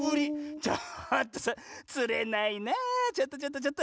ちょっとそれつれないなちょっとちょっとちょっと。